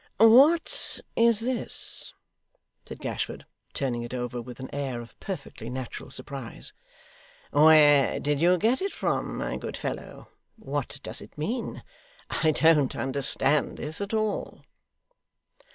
'What is this!' said Gashford, turning it over with an air of perfectly natural surprise. 'Where did you get it from, my good fellow; what does it mean? I don't understand this at all.